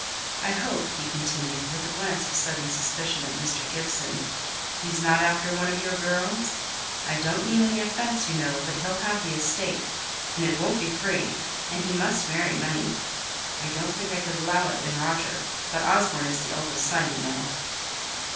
I hope," he continued, with a glance of sudden suspicion at Mr. Gibson, "he's not after one of your girls? I don't mean any offence, you know; but he'll have the estate, and it won't be free, and he must marry money. I don't think I could allow it in Roger; but Osborne's the eldest son, you know."